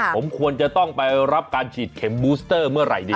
ผมควรจะต้องไปรับการฉีดเข็มบูสเตอร์เมื่อไหร่ดี